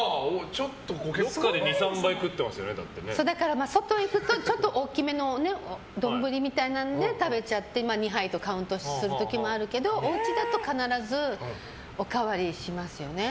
どっかで外行くとちょっと大きめの丼みたいなので食べちゃって２杯とカウントする時もあるけどお家だと必ずおかわりしますよね。